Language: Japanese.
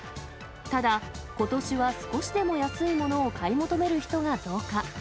ただ、ことしは少しでも安いものを買い求める人が増加。